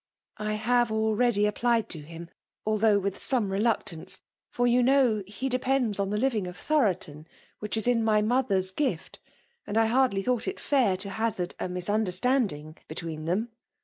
*' I have already applied to him, although with some reluctance; for you know he de pends on the living of Thoroton, which is in my mother's gift ; and I hardly thought it fair to hazard a misunderstanding between them."